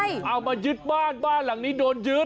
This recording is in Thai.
เอามายึดบ้านบ้านหลังนี้โดนยึด